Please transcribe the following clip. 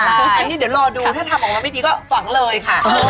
อันนี้เดี๋ยวรอดูถ้าทำออกมาไม่ดีก็ฝังเลยค่ะ